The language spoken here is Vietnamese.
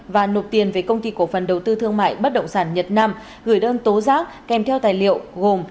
và nộp tiền về công ty cổ phần đầu tư thương mại bất động sản nhật nam gửi đơn tố giác kèm theo tài liệu gồm